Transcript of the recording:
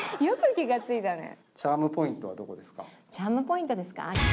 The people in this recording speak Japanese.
チャームポイントですか？